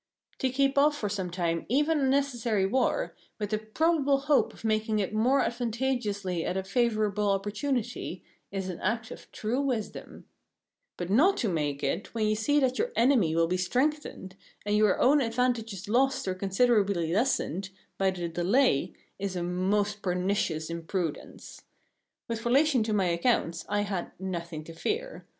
To keep off for some time even a necessary war, with a probable hope of making it more advantageously at a favourable opportunity, is an act of true wisdom; but not to make it, when you see that your enemy will be strengthened, and your own advantages lost or considerably lessened, by the delay, is a most pernicious imprudence. With relation to my accounts, I had nothing to fear.